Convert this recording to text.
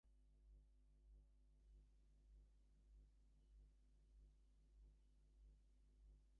Birds forage on the ground most often, but also in tree canopies.